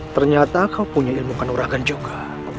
ternyata kau punya ilmu kenuragan juga